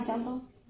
thôi em có đồng ý đâu